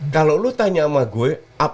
kalau lo tanya sama gue